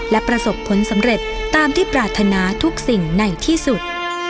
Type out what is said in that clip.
และประสบผลสำเร็จตามที่ปรารถนาทุกสิ่งในที่สุด